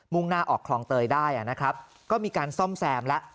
่งหน้าออกคลองเตยได้นะครับก็มีการซ่อมแซมแล้ว